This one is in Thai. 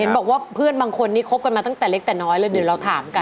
บอกว่าเพื่อนบางคนนี้คบกันมาตั้งแต่เล็กแต่น้อยเลยเดี๋ยวเราถามกัน